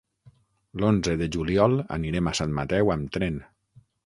L'onze de juliol anirem a Sant Mateu amb tren.